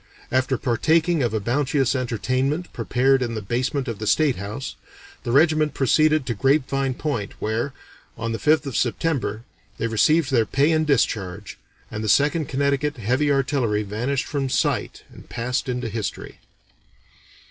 After partaking of a bounteous entertainment prepared in the basement of the State House, the regiment proceeded to Grapevine Point, where, on the 5th of September, they received their pay and discharge, and the Second Connecticut Heavy Artillery vanished from sight and passed into History."